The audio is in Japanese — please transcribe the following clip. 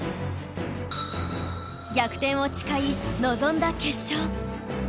逆転を誓い臨んだ決勝